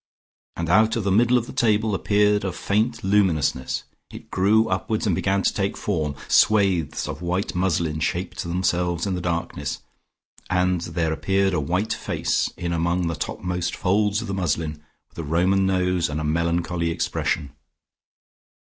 and out of the middle of the table appeared a faint luminousness. It grew upwards and began to take form. Swathes of white muslin shaped themselves in the darkness, and there appeared a white face, in among the topmost folds of the muslin, with a Roman nose and a melancholy expression.